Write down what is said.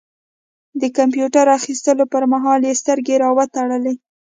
د کمپيوټر اخيستلو پر مهال يې سترګې را وتړلې.